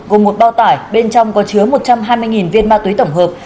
gồm một bao tải bên trong có chứa một trăm hai mươi viên ma túy tổng hợp